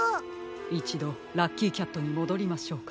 いちどラッキーキャットにもどりましょうか。